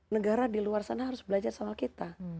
negara di luar sana harus belajar sama kita